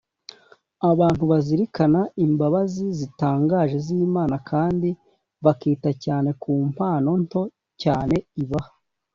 abantu bazirikana imbabazi zitangaje z’imana kandi bakita cyane ku mpano nto cyane ibaha,